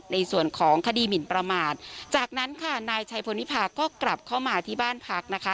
ในส่วนของคดีหมินประมาทจากนั้นค่ะนายชัยพลนิพาก็กลับเข้ามาที่บ้านพักนะคะ